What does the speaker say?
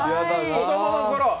子供のころ